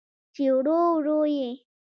چې ورو، ورو یې